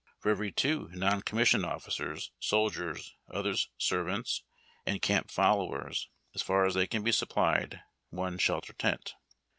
For every two non commissioned officers, soldiers, officers' servants, and camp folloAvers, as far as they can be supplied, one shelter tent.